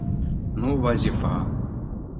Ну, Вазифа!..